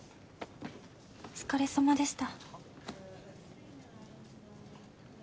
お疲れさまでした。